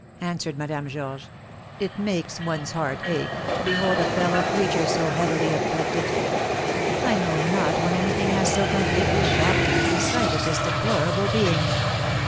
answered Madame Georges; "it makes one's heart ache to behold a fellow creature so heavily afflicted. I know not when anything has so completely shocked me as the sight of this deplorable being."